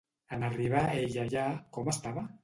En arribar ell allà, com estava?